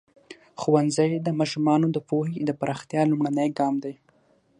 ښوونځی د ماشومانو د پوهې د پراختیا لومړنی ګام دی.